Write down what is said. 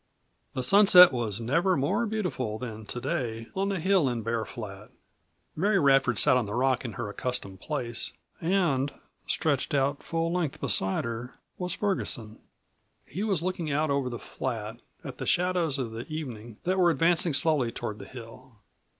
The sunset was never more beautiful than to day on the hill in Bear Flat. Mary Radford sat on the rock in her accustomed place and stretched out, full length beside her, was Ferguson. He was looking out over the flat, at the shadows of the evening that were advancing slowly toward the hill.